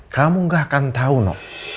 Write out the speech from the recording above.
kamu gak akan tahu no